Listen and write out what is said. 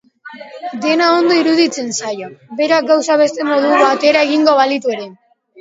Dena ondo iruditzen zaio, berak gauzak beste modu batera egingo balitu ere.